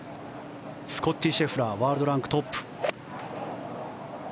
スコッティー・シェフラーワールドランクトップ。